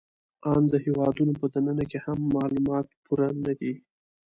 آن د هېوادونو په دننه کې هم معلومات پوره نهدي